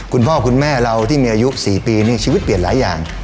คุณพ่อคุณแม่เราที่มีอายุ๔ปีนี่ชีวิตเปลี่ยนหลายอย่าง